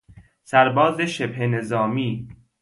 سرباز شبه نظامی